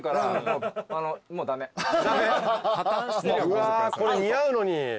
うわこれ似合うのに。